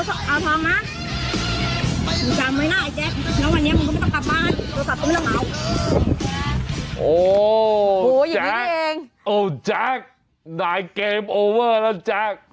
โอ้แจ๊กโอ้แจ๊กนายเกมโอเวอร์แล้วแจ๊ก